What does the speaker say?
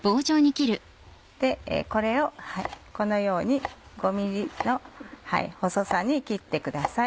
これをこのように５ｍｍの細さに切ってください。